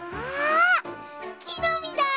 きのみだ！